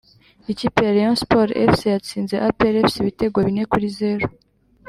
Ikipe ya rayon sport fc yatsinze apr fc ibitego bine kuri zeru